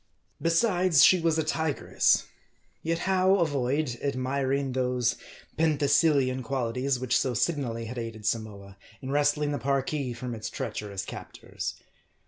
Besides, she was a tigress. Yet how avoid admiring those Penthesilian qualities which so signally had aided Samoa, in wresting the Parki from its treacherous captors.